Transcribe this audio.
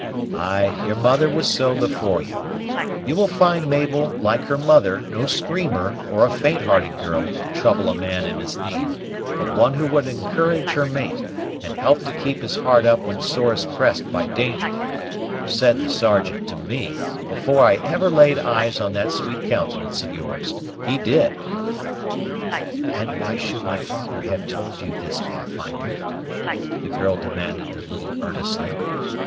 "Ay, your mother was so before you. 'You will find Mabel, like her mother, no screamer, or a faint hearted girl, to trouble a man in his need; but one who would encourage her mate, and help to keep his heart up when sorest prest by danger,' said the Sergeant to me, before I ever laid eyes on that sweet countenance of yours, he did!" "And why should my father have told you this, Pathfinder?" the girl demanded a little earnestly.